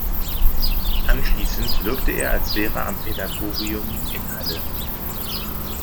Anschließend wirkte er als Lehrer am Pädagogium in Halle.